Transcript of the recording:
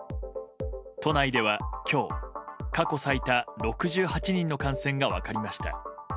都内では今日、過去最多６８人の感染が分かりました。